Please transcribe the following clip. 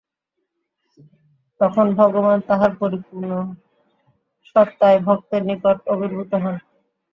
তখন ভগবান তাঁহার পরিপূর্ণ সত্তায় ভক্তের নিকট আবির্ভূত হন।